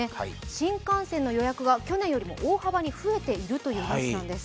新幹線の予約が去年より大幅に増えているというニュースなんです。